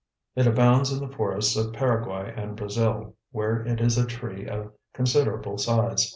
It abounds in the forests of Paraguay and Brazil, where it is a tree of considerable size.